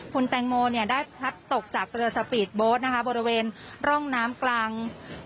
คุณแตงโมเนี่ยได้พัดตกจากนะคะบริเวณร่องน้ำกลาง